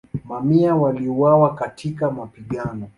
Mamia waliuawa katika mapigano.